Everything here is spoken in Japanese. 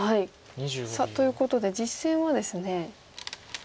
さあということで実戦はですね。